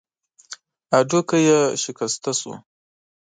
هډوکی يې شکسته شو.